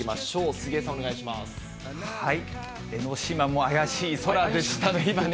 杉江さん、江の島も怪しい空でしたね、今ね。